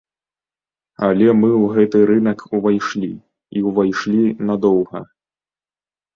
Але мы ў гэты рынак увайшлі, і ўвайшлі надоўга.